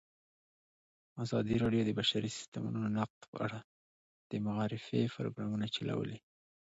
ازادي راډیو د د بشري حقونو نقض په اړه د معارفې پروګرامونه چلولي.